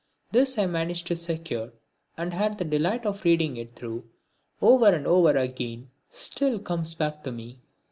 This I managed to secure and the delight of reading it through, over and over again, still comes back to me.